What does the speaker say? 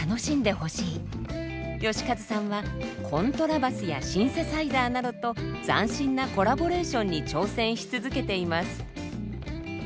よし和さんはコントラバスやシンセサイザーなどと斬新なコラボレーションに挑戦し続けています。